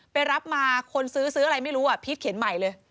รับมาคนซื้อซื้ออะไรไม่รู้พีชเขียนใหม่เลย